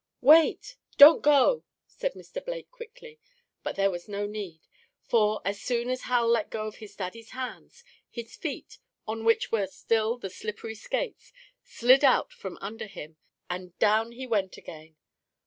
"Wait don't go," said Mr. Blake quickly, but there was no need. For, as soon as Hal let go of his Daddy's hands, his feet, on which were still the slippery skates, slid out from under him, and down he went again.